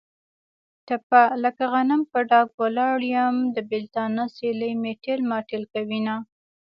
ټپه: لکه غنم په ډاګ ولاړ یم. د بېلتانه سیلۍ مې تېل ماټېل کوینه.